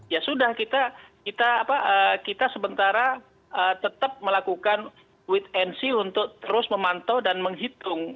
ya sudah kita sebentar tetap melakukan with nc untuk terus memantau dan menghitung